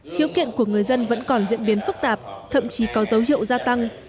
khiếu kiện của người dân vẫn còn diễn biến phức tạp thậm chí có dấu hiệu gia tăng